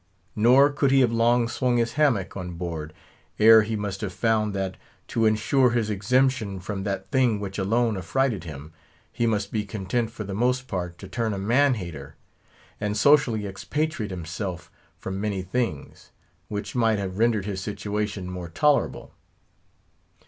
Nor could he have long swung his hammock on board, ere he must have found that, to insure his exemption from that thing which alone affrighted him, he must be content for the most part to turn a man hater, and socially expatriate himself from many things, which might have rendered his situation more tolerable.